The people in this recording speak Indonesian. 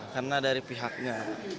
karena dari pihaknya